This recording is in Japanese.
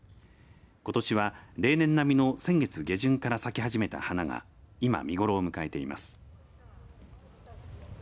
ことしは、例年並みの先月下旬から咲き始めた花が今、見頃を迎えています。